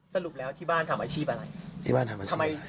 สรุปแล้วที่บ้านทำอาชีพอะไรที่บ้านทำอะไรทำไม